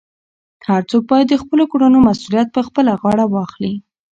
هر څوک باید د خپلو کړنو مسؤلیت په خپله غاړه واخلي.